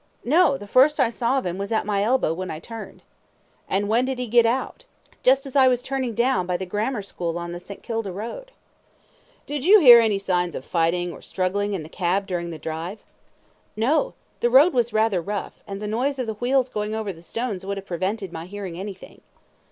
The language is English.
A. No; the first I saw of him was at my elbow when I turned. Q. And when did he get out? A. Just as I was turning down by the Grammar School on the St. Kilda Road. Q. Did you hear any sounds of fighting or struggling in the cab during the drive? A. No; the road was rather rough, and the noise of the wheels going over the stones would have prevented my hearing anything.